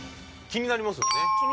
気になりますね。